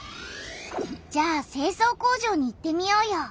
じゃあ清掃工場に行ってみようよ。